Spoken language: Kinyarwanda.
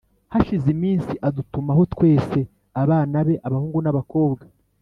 hashize iminsi adutumaho twese abana be, abahungu n’abakobwa,